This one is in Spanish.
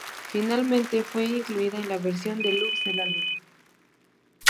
Finalmente fue incluida en la versión deluxe del álbum.